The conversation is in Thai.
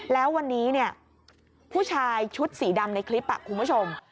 แล้ววันนี้ผู้ชายชุดสีดำในคลิปคุณผู้ชม